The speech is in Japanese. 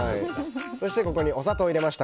そしてここにお砂糖を入れました。